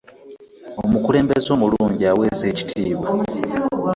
omukulembeze omulungi ewesa ekitiibwa